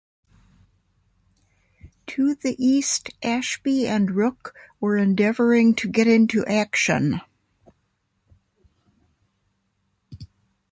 To the east, Ashby and Rooke were endeavouring to get into action.